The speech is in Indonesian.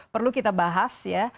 perlu kita bahas ya